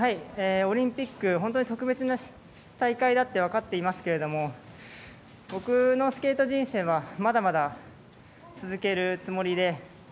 オリンピックは本当に特別な大会だって分かっていますけれども僕のスケート人生はまだまだ、続けるつもりで。